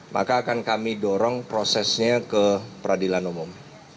maka akan kami dorong prosesnya ke peradilan umum